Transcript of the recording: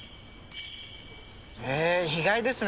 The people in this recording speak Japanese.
へえ意外ですね。